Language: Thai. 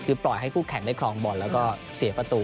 คือปล่อยให้คู่แข่งได้ครองบอลแล้วก็เสียประตู